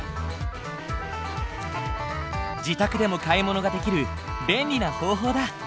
自宅でも買い物ができる便利な方法だ。